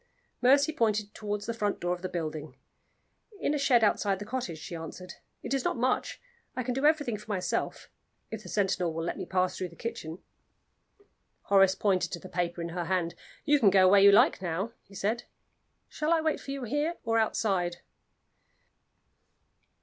Mercy pointed toward the front door of the building. "In a shed outside the cottage," she answered. "It is not much; I can do everything for myself if the sentinel will let me pass through the kitchen." Horace pointed to the paper in her hand. "You can go where you like now," he said. "Shall I wait for you here or outside?"